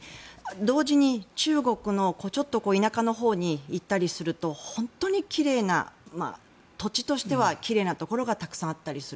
同時に中国のちょっと田舎のほうに行ったりすると本当に奇麗な土地としては奇麗なところがたくさんあったりする。